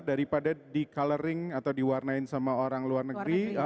daripada di coloring atau diwarnain sama orang luar negeri